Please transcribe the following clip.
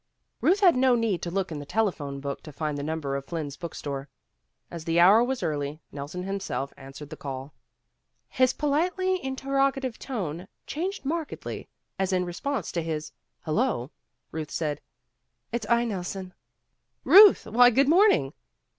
Euth had no need to look in the tele phone book to find the number of Flynn's book store. As the hour was early, Nelson himself answered the call. His politely inter rogative tone changed markedly as in re sponse to his, "Hello," Kuth said, "It's I, Nelson. '''* Ruth ! Why, good morning